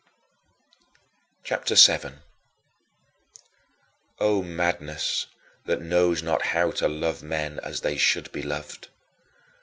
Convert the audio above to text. CHAPTER VII 12. O madness that knows not how to love men as they should be loved!